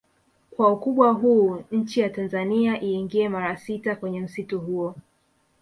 Kwa ukubwa huu nchi ya Tanzania iingie mara sita kwenye msitu huo